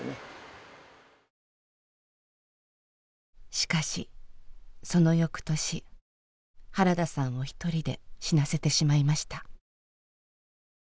しかしその翌年原田さんをひとりで死なせてしまいました。